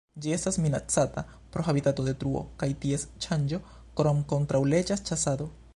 Ĝi estas minacata pro habitatodetruo kaj ties ŝanĝo krom kontraŭleĝa ĉasado.